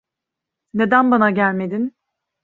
Neden bana gelmedin?